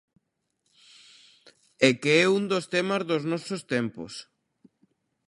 É que é un dos temas dos nosos tempos.